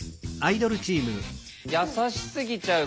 「優しすぎちゃうから」。